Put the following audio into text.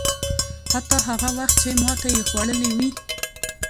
حتی هغه وخت چې ماته یې خوړلې وي.